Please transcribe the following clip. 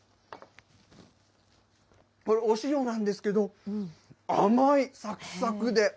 これ、お塩なんですけど、甘い、さくさくで。